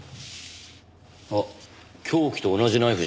あっ凶器と同じナイフじゃないか。